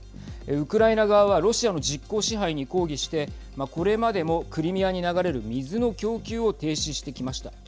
ウクライナ側はロシアの実効支配に抗議してこれまでもクリミアに流れる水の供給を停止してきました。